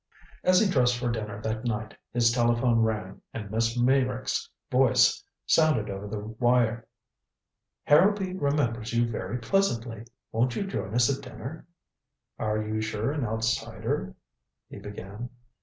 As he dressed for dinner that night his telephone rang, and Miss Meyrick's voice sounded over the wire. "Harrowby remembers you very pleasantly. Won't you join us at dinner?" "Are you sure an outsider " he began.